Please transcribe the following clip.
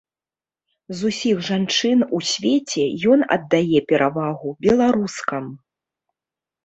З усіх жанчын у свеце ён аддае перавагу беларускам.